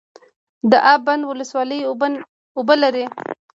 د اب بند ولسوالۍ اوبه لري